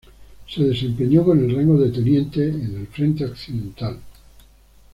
Se desempeñó con el rango de teniente en el frente occidental.